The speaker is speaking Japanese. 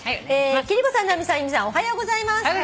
「貴理子さん直美さん由美さんおはようございます」